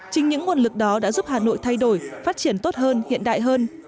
chính những nguồn lực đó đã giúp hà nội thay đổi phát triển tốt hơn hiện đại hơn